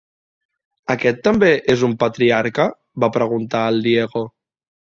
Aquest també és un patriarca? —va preguntar el Diego.